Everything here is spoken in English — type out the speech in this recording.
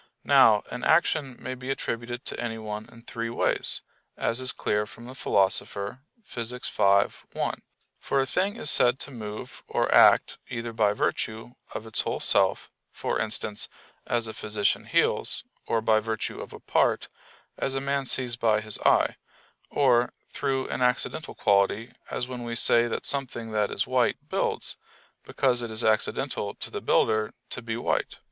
Now an action may be attributed to anyone in three ways, as is clear from the Philosopher (Phys. v, 1); for a thing is said to move or act, either by virtue of its whole self, for instance, as a physician heals; or by virtue of a part, as a man sees by his eye; or through an accidental quality, as when we say that something that is white builds, because it is accidental to the builder to be white.